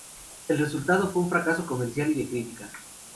El resultado fue un fracaso comercial y de crítica.